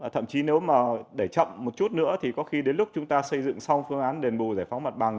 thậm chí nếu mà để chậm một chút nữa thì có khi đến lúc chúng ta xây dựng xong phương án đền bù giải phóng mặt bằng